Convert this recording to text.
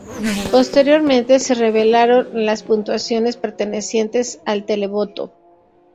Posteriormente, se revelaron las puntuaciones pertenecientes al televoto.